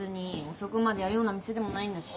遅くまでやるような店でもないんだし。